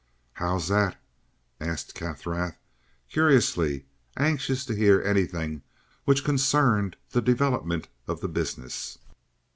"How's that?" asked Kaffrath, curiously, anxious to hear anything which concerned the development of the business.